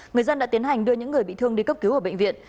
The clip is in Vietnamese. người dân đã tiến hành đưa những người bị thương đi cấp cứu ở bệnh viện